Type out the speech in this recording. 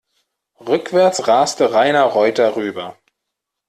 Rückwärts raste Rainer Reuter rüber.